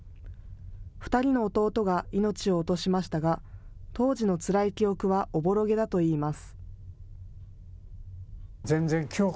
２人の弟が命を落としましたが当時のつらい記憶はおぼろげだといいます。